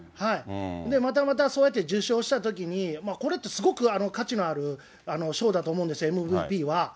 またまたそうやって受賞したときに、これってすごく価値のある賞だと思うんです、ＭＶＰは。